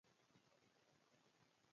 د محمد اسماعیل یون سره مو ناسته وه.